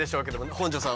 本上さん